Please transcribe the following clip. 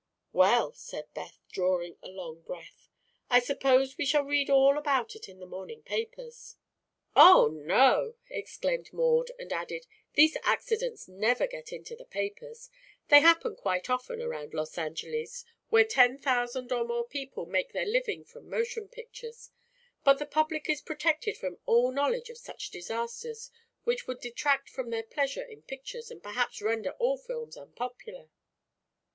"Well," said Beth, drawing a long breath, "I suppose we shall read all about it in the morning papers." "Oh, no!" exclaimed Maud and added: "These accidents never get into the papers. They happen quite often, around Los Angeles, where ten thousand or more people make their living from motion pictures; but the public is protected from all knowledge of such disasters, which would detract from their pleasure in pictures and perhaps render all films unpopular."